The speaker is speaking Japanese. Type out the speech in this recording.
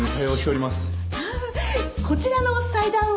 ああこちらの祭壇は？